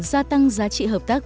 gia tăng giá trị hợp tác